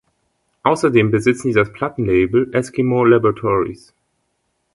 Außerdem besitzen sie das Plattenlabel Eskimo Laboratories.